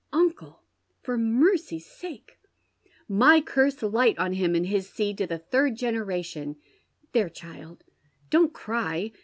" Uncle, for mercy's sake "'* My curse fight on him and his seed to the third gencrati;>n / Tliere, child, don't cry.